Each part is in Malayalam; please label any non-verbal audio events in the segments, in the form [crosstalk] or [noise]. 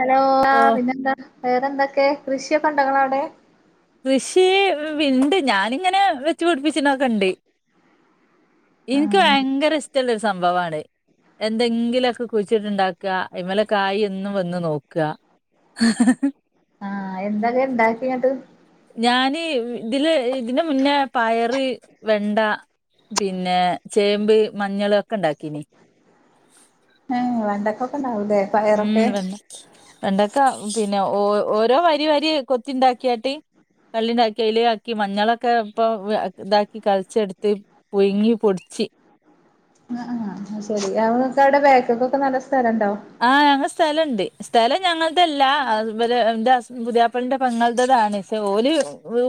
ഹലോ അ ഓ പിന്നെന്താ വേറെന്തൊക്കെ കൃഷിയൊക്കണ്ടോ ങ്ങളവിടെ കൃഷി വി വിണ്ട് ഞാനിങ്ങനെ വെച്ച് പിടിപ്പിച്ചനോക്കണ്ട് എനിക്ക് ഭയങ്കര ഇഷ്ട [unintelligible] സംഭവാണ് എന്തെങ്കിലുമൊക്കെ കുഴിച്ചിട്ടുണ്ട ക്കാ ഇമ്മേലക്കായ് എന്നും വന്ന് നോക്കാ ഹ ഹ ആ എന്തൊക്കെ ഇണ്ടാക്കിങ്ങട്ട് ഞാന് വി ഇതില് ഇതിന് മുന്നേ പയറ്, വെണ്ട പിന്നെ ചേമ്പ് മഞ്ഞൾ ഏഹ് വെണ്ടക്ക- [unintelligible] അതെ പയറൊക്കെ വണ്ടക്ക പിന്നെ ഓ ഓരോ വരി വരി കൊത്തി ഉണ്ടാക്കിയാട്ട് കള്ളി ഉണ്ടാക്കി അതില ആക്കി മഞ്ഞളൊക്കെ ഇപ്പ ഇതാക്കി കളിച്ചെടുത്ത് പുഴുങ്ങി പൊടിച്ച് ആഹ ആ് ശരി എോ സടെ ബാക്ക്ക്ക് ഒക്കെ നല്ല സ്ഥലണ്ടോ ആഹ ഞങ്ങള സ്ഥലണ്ട് സ്ഥലം ഞങ്ങളതല്ല അത് ഇവരെ പുതിയയാപ്പളന്റെ പങ്ങളടേതാണ് പക്ഷെ ഓല്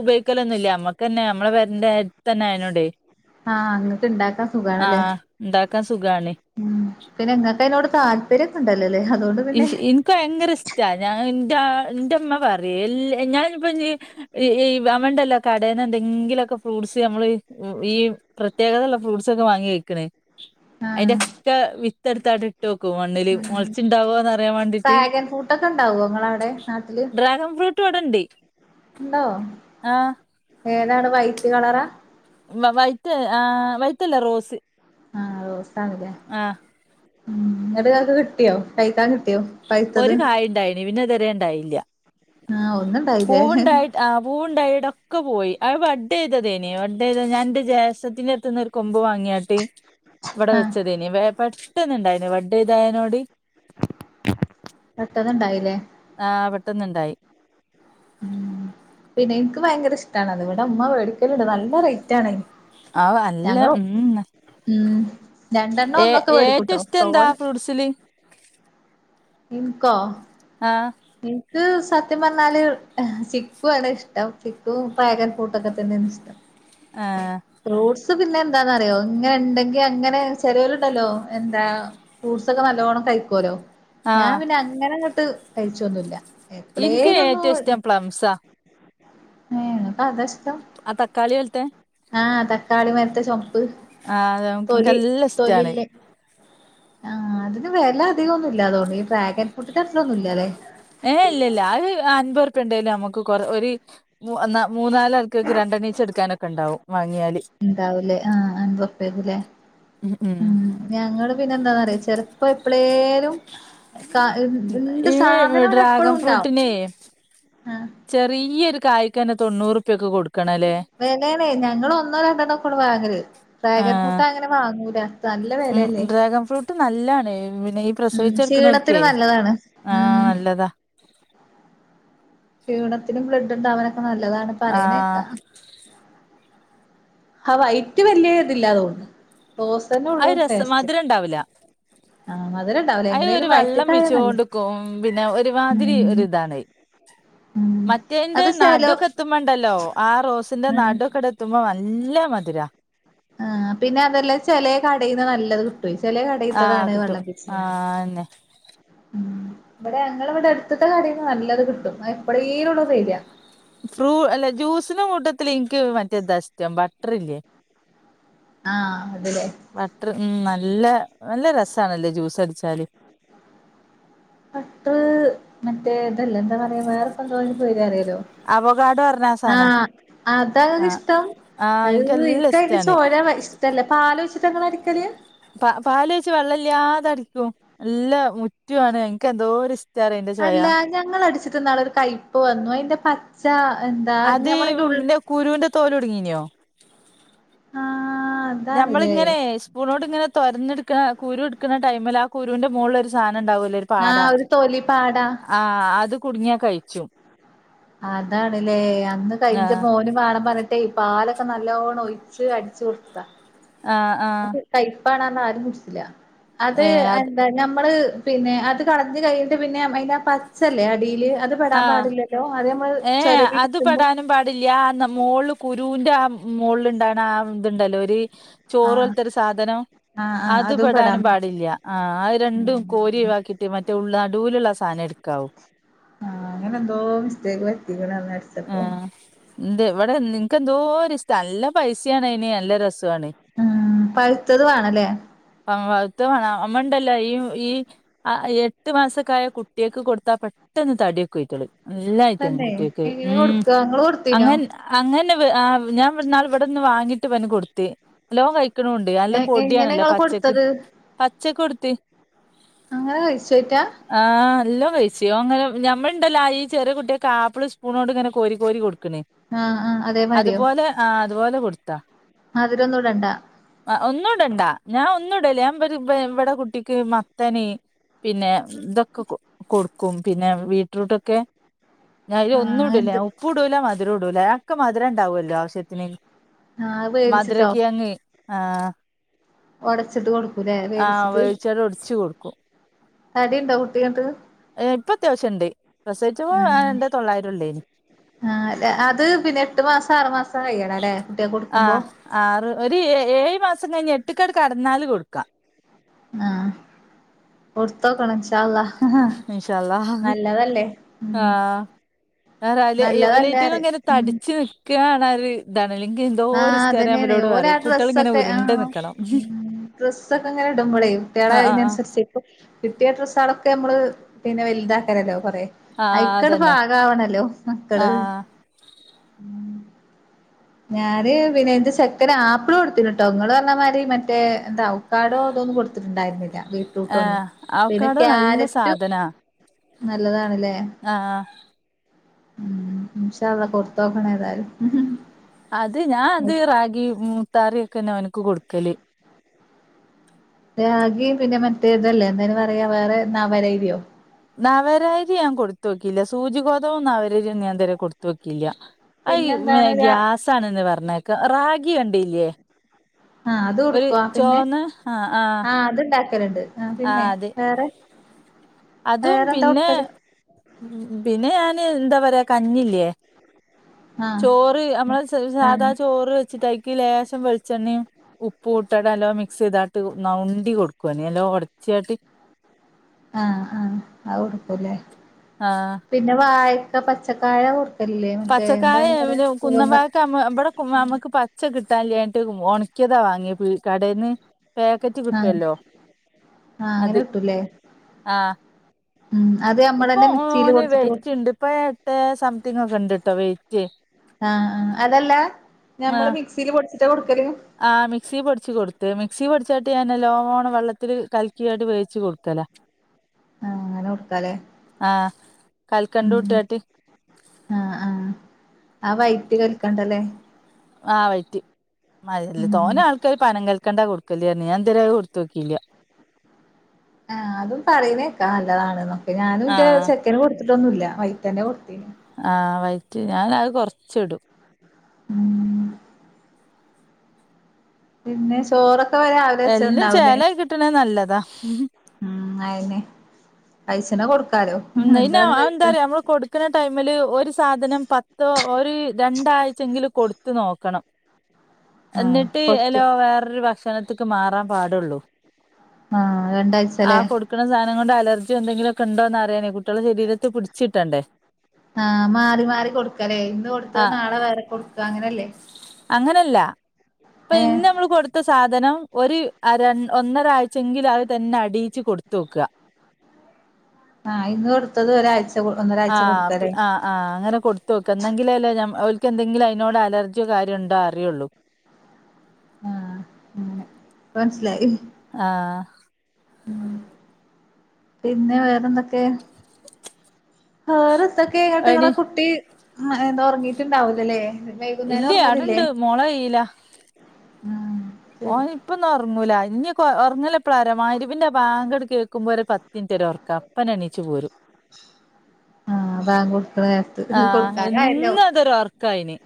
ഉപയോഗിക്കലൊന്നുല്ല നമ്മക്ക് തന്നെ നമ്മളെ പേരന്റെ അടുത്തന്നെ അയിതിനോട ആഹ് അങ്ങക്ക് ഇണ്ടാക്കാൻ സുഖണല്ലേ ആഹ് ഇണ്ടാക്കാൻ സുഖാണ് ഉ പിന്നെ ങ്ങക്ക് അതിനോട് താല്പര്യം ഉണ്ടല്ലേ എനിക്ക് ഭയങ്കര ഇഷ്ട ഞാൻ എന്റെ എന്റെ മ്മ പറയല്ല ഞാനിപ്പ അവമ്മണ്ടല്ലോ കടേന്ന് എന്തെങ്കിലുമൊക്കെ ഫ്രൂട്ട്സ് നമ്മള് ഈ പ്രത്യേകതയുള്ളള്ള ഫ്രൂട്ട്സ് ഒ ക്കെ വാങ്ങി കഴ്ക്ക്ണ് ആ അതിന്റെ ഒക്കെ വിത്ത്ടുത്തായിട്ട് ഇട്ട് വെക്കും മണ്ണില് ഉം മുളച്ചി ഡ്രാഗൻ ഫ്രൂട്ടൊക്കെ ഉണ്ടാവോ ഇങ്ങളവിടെ നാട്ടില് ട്ടു അവടെണ്ട് ണ്ടോ ഏതാണ് വൈറ്റ് കളറാ വ വൈറ്റ് ആ വൈറ്റല്ല റോസ് ആഹ് ട്ടാണ് ലെ ആ ന്നട്ട് ഇങ്ങക്ക് കിട്ടിയോ കഴിക്കാൻ കിട്ടിയോ ഒരു പഴുത്തത് കായണ്ടായിനി പിന്നത ഇത്ണ്ടായില്ല ആഹ് ഒന്നുണ്ടായില്ലേ പൂവുണ്ടായിട്ട് ആ പൂവുണ്ടായിടൊ ഒക്കെ പോയി അയ് വഡെയ്തതേനി വഡെയ്ത ഞാനന്റെ ജേഷ്ടത്തിന്റെടുത്തുന്ന് ഒരു കൊമ്പ് വാങ്ങിയാട്ടി ഇവടെ ആഹ് വെച്ചതേനി [unintelligible] തിന്നുണ്ടായിന വഡേതായനോടി പെട്ടന്നുണ്ടായിലെ [inaudible] ആ പെട്ടന്നുണ്ടായി ഉം പിന്നെ എനിക്ക് ഭയങ്കര ഇഷ്ടാണ് അത്. ഇവടെ അമ്മ വേടിക്കല്ണ്ട് നല്ല റേറ്റാണ് അതിന് ആവ് അല്ല ഉം ഉം രണ്ടെണ്ണം ഏ ഒന്നൊക്കെ ഏറ്റവും മേടിക്കൂട്ടോ ഇഷ്ടെന്താ തോനെ ഫ്രൂസിലെ ഇൻങ്കോ ഇൻക്ക് സത്യംപറഞ്ഞാല് സിക്കു ആണ് ഇഷ്ടം സിക്കും ഡ്രാഗൻ ഫൂട്ടൊക്കെ തന്നാണിഷ്ടം ആ ഫ്രൂട്സ് പിന്നെ എന്താന്നറിയോ ഇങ്ങനെണ്ടെങ്കി അങ്ങനെ ചെലോര്ണ്ടല്ലോ എന്താ ഫ്രൂട്ട്സ് ഒക്കെ നല്ലോണം കഴിക്കുവല്ലോ ആ ഞാൻ പിന്നെ അങ്ങനെ അങ്ങട്ട് കഴിച്ചൊന്നുല്ല ഇൻക്ക് ഏറ്റ ഇഷ്ടം പ്ലംസാ നിനക്ക അതാ ഇഷ് ആ തക്കാളി പോലത്തെ ആ തക്കാളി മരത്തെ ചുവപ്പ് ആ അത് നമ്ക്കിക്കെല്ലാം ഇഷ്ടാണ് തൊലില്ലേ ആ അതിന് വെല അദികൊന്നുല്ലാതോന്നു ഈ ഡ്രാഗൻ [unintelligible] ഏ കൊറേ ഒരി മൂന്നാലാൾക്കക്ക് രണ്ടണ്ണീച്ചടുക്കാനക്കെ ഒണ്ടാവും ഉണ്ടാവലേ ആ ആ ഉം ഉം ഞങ്ങള് പിന്നെന്താന്നറിയോ ചെലപ്പഴ് പ്ലേ സാധനം ഇവിടെ എപ്പളും ഈഡ്രാഗൺ ഉണ്ടാവും ഫ്രൂട്ടിനെ ആ ചെറിയരു കായ്ക്കെനെ തൊണ്ണൂറുപ്യൊക്കെ കൊട് വെലേണേ ഞങ്ങള് ഒന്നോ രണ്ടെണ്ണെ ക്കൊള്ളൂ വാങ്ങല് ഡ്രാഗൻ ആഹ് ഫ്രൂട്ടങ്ങനെ വാങ്ങൂല. നല്ല ഉം വെലല്ലേ ഡ്രാഗൺ ഫ്രൂട്ട് നല്ലാണ് പിന്നെ ഈ ഉം പ്രസവിച്ച ക്ഷീണത്തിന് ട്ക്ക്ണോൽക്കേ നല്ലതാണ് ആ ഉം നല്ലതാ ത്ണ്ടാവണ നല്ലതാണ് പറിണേക്കാ ആഹ് ആ വൈറ്റ് വല്യെ ത് ല്ലാ തോണ് അത് രസം മധ്‌രണ്ടാവുലാ ആ മധുരം ഉണ്ടാവൂല അത് ഒര് എങ്ങനെലും വെള്ളം വയറ്റ്ക്കായ നല്ലത് പീച്ച്യോണ്ട്ക്കും പിന്നെ ഒര്മാതിരി ഉം ഒര്താണത് ഉം മറ്റേന്റെ അത് ചെലോ നടൊക്കെ എത്ത്മ്പണ്ടല്ലോ ആ റോസ്ന്റെ ഉം നാടാെക്കേടെത്ത്മ്പം ന നല്ല മധ്‌രാ ആഹ് പിന്നെർഞ്ഞാല് അത് ചെലേ കടീന്ന് നല്ലത് ക് ട്ട്വേ ചെലേ ആഹ് കടീത്തതാണ് കിട്ടും വള്ളം പിച്ചിനാ ആന്നെ ഉം ബ്ടെ ഞങ്ങളെ ബടെ എട്ത്ത്ത്തെ കടേന്ന് നല്ലത് കിട്ടും അത് എപ്പളേലൊള്ളു പീട്യാ ഫ്രൂ അല്ല ജ്യൂസ് ല് കൂട്ടത്തില് ഇൻക്ക് മറ്റെ താ ഇസ്റ്റം ബട്ട്ർല്ലേ ആഹ് ബട്ട്ർ ഉം നൽ ല്ല നല്ല രസണല്ലത് ജ്യൂസട്ച്ചാല് ബട്ട്ര്‍ മറ്റേ ഇതല്ലെ എന്താ പറയാ വേറെ പ്പെന്തോ അയ്ന് പേര് പറി ലോ അവകാടോ പറഞ്ഞ ആ സാധനം ആഹ് അതാ ങ്ങക്ക് ആഹ് ഇഷ്ടം ആഹ് അയ് എനിക്കെല്ലാം ഇൻക്കയ്ന്റെ ഇഷ്ടാണ് ചാെര വ ഇഷ്ടല്ല പാലാെയ്ച്ച്ട്ടാ ഇങ്ങള് അടി കടിയാ പ പാലൊയ്ച്ച് വെള്ളല്ല്യാതെ അടിക്കും നല്ല മുറ്റ് വാണ് ഇൻക്കെന്തോര് ഇസ് അല്ലാ ഞങ്ങളട്ച്ച് ത്ത് ന്നാള്ളൊര് കയ്പ്പ് വന്നു അയ്ന്റെ പച്ചാ അത് ഈ പിന്നെ കുരുന്റെ തോലുടുങ്ങീനോ ആഹ് അതാണ്ല്ലേ ഞമ്മളിങ്ങനേയ് സ്പൂണോണ്ടിങ്ങനെ തൊരന്നെടുക്കണ കുരു എടുക്കണ ടൈമിലാ കുരുവിന്റെ മോളിലൊരു സാ ധന ഉണ്ടാവുലേ ഒരുപാട ആഹ് ഒരു തൊലി പാട ആഹ് അതു കുടുങ്ങിയാ കയിച്ചു അതാണ്ല്ലേ അന്ന് ആ കഴിഞ്ച മോന് മാണം പറഞ്ഞി ട്ടേ പാലൊക്കെ നല്ലോണ്ണം ഒഴിച്ച് അടിച്ചു കൊടുത്തതാ ആഹ് ആഹ് പ്പാണാ പറഞ്ഞു ആരും കുടിച്ചില്ല അത് എന്താ ഞമ്മള് പിന്നെ അത് കളഞ്ഞു കഴിഞ്ഞിട്ട് പിന്നെ അയിന്റെ ആ പച്ചല്ലേ അടീല് അത് ആ പെടാൻ പാടില്ലല്ലോ അത് നമ്മള് ഏ അത് ചൊരവിയെടുക്കുമ്പോ പെടാനും പാടില്ല മോളും കുരുവിന്റെ ആ മോളിൽ ഇണ്ടാവ്ണ ആ ഇത്ണ്ടല്ലോ ഒരു ചോറ് ആഹ് പോലത്തൊരു സാധനം ആഹ് ആഹ് അത് അതും പെടാൻ പെടാനും പാടില്ല ആ അത് രണ്ടും കോരി ആക്കിട്ട് മറ്റേ ഉള്ളനാട്ട നടുലുള്ള സാധനം എടുക്കാവോ ആ അങ്ങനെ എന്തോ മിസ്റ്റേക്ക് വത്തിക്കണ അടിച്ചപ്പോൾ എന്ത്‌ ഇവിടെ നിനക്ക് എന്തോര് ഇഷ്ട്ട നല്ല പൈസയാണ് അയിന് നല്ല രസം ഉം പഴുത്തത് വേണല്ലേ ഇത്തവണ അമ്മയുണ്ടല്ലോ ഈ ഈ എട്ട് മാസൊക്കെയായ കുട്ടിയക്ക് കൊടുത്താൽ പെട്ടന്ന് തടിയൊക്കേ ആയ്കളേം എല്ലാ ആയിറ്റം തന്നെ കുട്ടികൾക്ക് എങ്ങനെ ഉം കൊടുക്ക ഇങ്ങള് കൊടുത്തീനോ അങ്ങനെ അങ്ങനെ ഞാൻ ഒരു നാൾ ഇവിടെന്ന് വാങ്ങിട്ട് ഇവന് കൊടുത്ത് ഇവൻ കഴിക്കുന്നില്ല നിക്ക്ണ് മൊണ്ട് നല്ല എങ്ങനെ പൊടിയാണല്ലോ ഇങ്ങള് പച്ചക്ക് കൊടുത്തത് പച്ചയ്ക്ക് കൊടുത്ത് അങ്ങനെ കഴിച്ചോറ്റാ നല്ലോ കഴിച്ച് അങ്ങനെ ഞമ്മൾയിണ്ടല്ലോ ഈ ചെറിയ കുട്ടിയൾക് ആപ്പിൾ സ്പൂൺകൊണ്ട് ഇങ്ങനെ കോരി കോരി കൊടുക്കും ക്ക്ന് ആഹ് ആഹ് അതുപോലെ അതുപോലെ കൊടുത്തു ത്ത അതിലൊന്നും ഇടണ്ട ഒന്നുയിടണ്ടാ ഞാൻ ഒന്നുയിടില്ലേ ഞാൻ ഇവിടെ കുട്ടിക്ക് മത്തന് പിന്നെ ഇതൊക്കെ കൊടുക്കും പിന്നെ ബീട്രൂട്ടൊക്കെ ഒന്നും ആഹ് ഇടില്ല എന്ത് ഉപ്പും ഇടൂല്ല മധുരവും ഇടില്ല അതൊക്കെ മധുര ഉണ്ടാവുമല്ലോ ആവശ്യത്തിന് ആ അത്‌ വേവിച്ചിട്ടോ ആ ഒടച്ചിട്ട് കൊടുക്കൂലേ വേവിച്ചിട്ട് വേവിച്ചാണ്ട് ഒടിച്ചു കൊടുക്കും തടിയുണ്ടോ കുട്ടി എന്നിട്ട് ഇപ്പം അത്യാവശ്യം ഉണ്ട് പ്രെസവിച്ചപ്പോ ആഹ് എന്റെ തൊള്ളായിരം ഉള്ളേനും ആഹ് അത് പിന്നെ എട്ട് മാസം ആറു മാസം കഴിയണല്ലേ കുട്ടിയാക്ക് ആ കൊടുക്കുമ്പോ ആറ് ഒരു ഏഴ് മാസം കഴിഞ്ഞിഎട്ടിക്കങ്ങ് കടന്നാല് കൊടുക്കാം ആഹ കൊടുത്തോക്കണം ഇൻഷാ അള്ളാ ഇന്ഷാ അള്ളാ നല്ലതല്ലേ ങാ ഉം നല്ലതല്ലേ ഒലൈറ്റ് അറിം ഇങ്ങനെ തടിച്ച് നിക്കുകാണ് ഇതാണ് അല്ലെങ്കിൽ എന്തോ ആഹ ഒരു ഇഷ്ടമാണ് അതന്നെയ അവലോട് ഓരാ പറയും കുട്ടികൾ ഇങ്ങനെ ഡ്രസ്സൊക്കെ ആ ഉരുണ്ട് നിൽക്കണം ഡ്രസ്സൊക്കെ ഇങ്ങനെ ഇടുമ്പോളേ കുട്ടികളെ ആ ആ അതിനനുസരിച്ച് ഇപ്പ കിട്ടിയ ഡ്രസ്സ്കളൊക്കെ നമ്മള് പിന്നെ വലുതാക്കലല്ലോ കൊറെ ആ ആ അയിക്കട് അതന്നെ പാകായാവണല്ലോ ആ മക്കള് ഞാന് പിന്നെ എന്റെ ചെക്കന് ആപ്പിള് കൊടുത്തിന് ട്ടോ ഇങ്ങള് പറഞ്ഞ മാരി മറ്റേ എന്താ അവക്കാഡോ അതൊന്നുംകൊടുത്തിട്ടുണ്ടായിരുന്നില്ല ആ അവക്കാഡോ നല്ല സാധനാ നല്ലതാണല്ലേ ആ ഉം മാഷാ അല്ലാഹ് കൊട്ത്തോക്കണം ഏതായാലും അത് ഞാൻ അത് റാഗി മുത്താറി ക്കന്നെ അവനക്ക് കൊടുക്കല് റാഗിപിന്നെ മറ്റേ ഇതല്ലേ എന്തായിന് പറയാ വേറെ നവരഅരിയോ നവരരി ഞാൻ കൊടുത്ത് നോക്കീല്ല സൂചി ഗോതമ്പും നവരരിയും ഞാൻ ഇതുവരെ കൊടുത്ത് നോക്കീല്ല അയി പിന്നെന്താണ് രാ ഗ്യാസ് ആണെന്ന് പറഞ്ഞ റാഗി കണ്ടില്ലേ ആഹ് അത് ഒരു കൊടുക്കുവാ പിന്നെ ചോന്ന് ആ ആ ആഹ് അത്ണ്ടാക്ക് ക്കലിണ്ട് ആ പിന്നെ വേറെ അതും വേറെന്താ പിന്നെ കൊടുക്കല് ഉം പിന്നെ ഞാന് എന്താ പറയാ കഞ്ഞില്ലേ ആഹ് ചോറ് നമ്മളെ സാധാ ആഹ് ചോറ് വെച്ചിട്ടയ്ക്കലേഷം പച്ച വെളിച്ചെണ്ണയും ഉപ്പു ഇട്ടിട്ടു നല്ലോണം മിക്സ് ചെയ്താട്ട് നവണ്ടി കൊടുക്കുഞാന് എല്ലോ ഉടച്ചിട്ട് ആഹ് ആഹ് അത് കൊടുക്കൂല്ലേ ആഹ് പിന്നെ വായ ഇ പച്ചക്കായ കൊടു പച്ചക്കായ ഇവിടെ കുന്നമ്പായക്ക നമ്മ ഇവിടെ കു നമ്മക്ക് പച്ച കിട്ടി ട്ടാനില്ലായിട്ട് ഉണക്കിയതാ വാങ്ങിയേ പീ കടേന്ന് പാക്കറ്റ് ആഹ് കിട്ടുമല്ലോ ആഹ് അങ്ങനെ അത് കിട്ടൂല്ലേ ആഹ് ഉം അത് നമ്മൾ ഇപ്പൊ തന്നെ മിക്സിയിൽ ഓന് പൊടിച്ചിട്ട് കൊടു വെയിറ്റ് ഇണ്ട് ഇപ്പൊ എട്ടേ സംതിങ് ഒക്കെ ഇണ്ട് ട്ടോ വെയിറ്റ് ആഹ് ആഹ് അതല്ല ഞമ്മള് ആഹ് മിക്സിയിൽ പൊടിച്ചി ചിറ്റാ കൊടുക്കല് ആഹ് മിക്സിയിൽ പൊടിച്ചു കൊടുത്ത് മിക്സി പൊടിച്ചിട്ട് നല്ലോണം വെള്ളത്തില് കലക്കി അങ്ങട്ട് വേവിച്ച് കൊടുക്കലാ ആഹ് അങ്ങനെ കൊടുക്കാലേ കൽക്കണ്ടും ഇട്ടുആട്ടി ആഹ് ആഹ് ആ വൈറ്റ് കൽക്കണ്ടല്ലേ ആഹ് വൈറ്റ് മൽ തോന ഉം ആൾക്കാർ പനകൽ ക്കണ്ടാ കൊടുക്കല് പറഞ്ഞ് ഞാൻ ഇതുവരെ അത് കൊടുത്തോക്കീല്ല ആഹ് അതും പറയുന്നേക്കാ നല്ലതാണ്നൊ ക്കെ ഞാനൂ എന്റെ ആഹ് ചെക്കന് കൊടു ട്ടൊന്നുല്ല വൈത്തന്നെ കൊടുത്തേന് ആഹ് വൈറ്റ് ഞാനത് കൊറച്ച് ഇടും ഉം പിന്നെ ചോറൊ എല്ലാം ചേലായി കിട്ടണേ നല്ലതാ [unintelligible] ഉം അയെന്നെ പൈസേണ കൊടുക് എന്താ പിന്നെ അതെന്താ അറിയോ നമ്മള് കൊടുക്കുന്ന ടൈമില് ഒരു സാധനം പത്തോ ഒരു രണ്ടാഴ്ചെങ്കിലും കൊടുത്ത് നോക്കണം. ആഹ് എന്നിട്ട് കൊടുത്തു എലോ വേറൊരു ഭക്ഷണത്ത്ക്ക് മാറാൻ പാടൊള്ളൂ. ആ രണ്ടാഴ്ച ലേ നം കൊണ്ട് അലർജി എന്തെങ്കിലു ഒക്കെ ഇണ്ടോന്ന റ്യാനെ കുട്ടിയേളെ ശരീരത്ത് പിടിച്ച് ട്ടണ്ടേ. ആ മാറി മാറി കൊടുക്ക ലേ. ഇന്ന് കൊടുത്തത് ആഹ് നാളെ വേറെ കൊടുക്കാ അങ്ങനല്ലേ. അങ്ങനല്ല. ഇപ്പൊ ഏഹ് ഇന്ന് നമ്മള് കൊടുത്ത സാധനം ഒരു അര ഒന്നര ആഴ്ചെങ്കിലു അത് തന്നെ അടിയിച്ച് കൊടുത്തോക്കാ. ആഹ് ഇന്ന് കൊടുത്തത് ഒരാഴ്ച ഒന്നരാഴ്ച ആഹ് കൊടുക്കലേ ആഹ് ആഹ് അങ്ങനെ കൊടുത്തോക്കാ. ഇന്നെങ്കിലല്ലെ ഞം ഓൽക്ക് എന്തെങ്കിലും അയ് നോട് അലർജിയൊ കാര്യണ്ടോ അറ്യൊള്ളൂ. ആഹ് അങ്ങെനെ. ഇപ്പം മനസിലായി. ആഹ് ഉം പിന്നെ വേറെന്തൊക്കെ? ആ രസക്കെങ്ങട്ട് ഇങ്ങളെ എടി കുട്ടി ഹാ അതൊർങ്ങീട്ടുണ്ടാവൂല ലേ ഇല്ലയ അടുണ്ട് മോളെകൈയ്യില ഉം ശരി ഓന് ഇപ്പൊന്നും ഒറങ്ങൂല ഇനി ഉറങ്ങല്ലെപ്പ്ളാരം മയ്രിബിന്റെ ബാങ്ക് കേക്കുമ്പോ ഒരു പത്തി മിനിറ്റ് ഒർക്കാ അപ്പന എണീച്ചു പോരും ആഹ് ബാങ്ക് കൊടുക്കണ നേരത്ത് ആ കൊടുക്കാനായല്ലോ എന്ന അതൊരു ഒർക്കാ അഇന്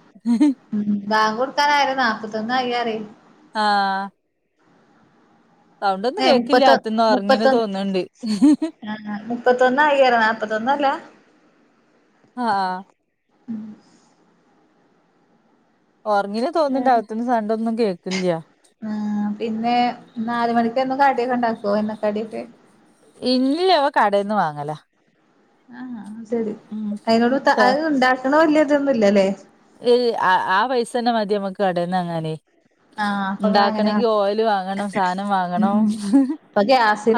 ഉം ബാങ്ക് കൊടുക്കാനായി നാല്പത്തൊന്ന് ആയി പറി ആ ഏ മുപ്പത്ത അകത്തുന്ന് ഉറങ്ങീന്ന് മുപ്പത്തൊന്ന് തോന്ന്ണ്ട് ആ മുപ്പത്തൊന്നായി നാല്പ്പത്തൊന്നല്ല ആഹ് ഉം ഉറങ്ങിന് തോന്നുന്നുണ്ട് അകത്തുന്ന് സണ്ടൊന്നും കേൾക്കില്ല പിന്നെ നാല് മണിക്ക് എന്നും കാട്ടിയൊക്കെ ഉണ്ടാക്ക എണ്ണ കടിയൊക്കെ ഇല്ലില്ല അവ കടേന്ന് വാങ്ങലാ ആഹാ ഹ [unintelligible] അയിനോട് താ അത് ഒണ്ടാക്കണോ ഇലിയൊ തിന്നില്ലല്ലേ ഏഹ് ആ ആ പൈസ തന്നെ മതി നമ്മക്ക് കടന്നങ്ങനെ ആഹ് അപ്പൊ ഇങ്ങള് അങ്ങനെ വാ ഇണ്ടാക്കണെങ്കി ഓയില് വാങ്ങണം സാധനം വാങ്ങണം ഉം ഇപ്പൊ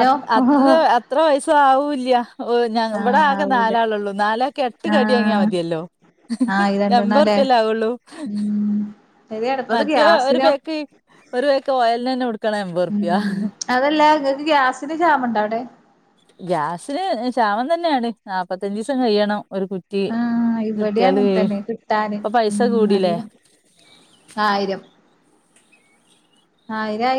അ അത്ര അത്ര പയസ ആവൂല്യ ഓ ഞാ ഇവിടെ ആഹ് ആകെ ആവൂല നാലാളെ ള്ളൂ നാലക്കെ ഏട്ട് കടിയങ്ങിയാ ആഹ് മതിയല്ലോ ആഹ് ഈ അമ്പത് രണ്ടെണ്ണല്ലേ റുപി അല്ലെ ആവൊള്ളു. ഉം ശരിയാണ് ഇപ്പത് മറ്റേ ഒരു ഗ്യാസിനോ പേക്ക് ഒരു പേക്ക് ഓ. ഉം [unintelligible] [unintelligible] അതല്ല ഇങ്ങക്ക് ഗ്യാസിന് ക്ഷാമണ്ടാ അവിടെ? [inaudible] ഗ്യാസിന് ക്ഷാമം തന്നെയാണ് നാല്പ്പത്തഞ്ചീസം കഴിയണം. ഒരു കുറ്റി ആഹ് ഇവിടിം കിട്ടിയാല് അങ്ങന്തന്നെ കിട്ടാന് ഇപ്പൊ ഉം പൈസ കൂടില്ലേ നല്ല ആയിരം ആയിരായ്.